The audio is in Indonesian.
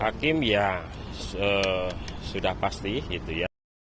hakim ya sudah pasti